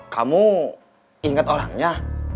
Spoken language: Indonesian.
kamu inget orangnya